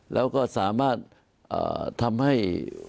แล้วก็ทำให้